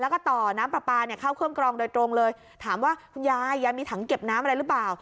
แล้วก็ต่อน้ำปลาปลาเนี่ยเข้าเครื่องกรองโดยตรงเลยถามว่าคุณยายยายมีถังเก็บน้ำอะไรหรือเปล่า